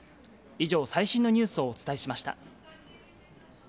以上、最新のニュースをお伝えしました。